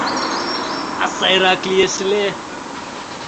— А сайрак лиеш ыле.